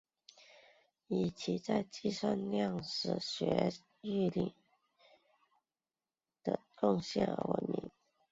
以其在计量史学领域的贡献而闻名。